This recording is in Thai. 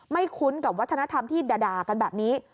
คุ้นกับวัฒนธรรมที่ด่ากันแบบนี้